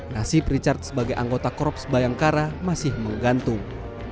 nasib richard sebagai anggota korps bayangkara masih menggantung